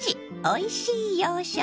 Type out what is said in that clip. おいしい洋食」。